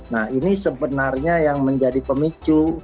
nah ini sebenarnya yang menjadi pemicu